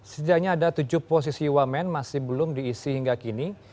setidaknya ada tujuh posisi wamen masih belum diisi hingga kini